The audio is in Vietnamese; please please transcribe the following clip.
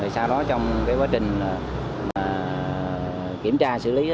sau đó trong quá trình kiểm tra xử lý